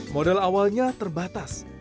model awalnya terbatas